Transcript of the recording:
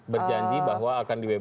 berjanji bahwa akan dibebaskan